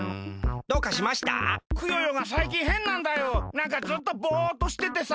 なんかずっとぼっとしててさ